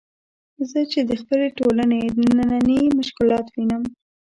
زه چې د خپلې ټولنې نني مشکلات وینم.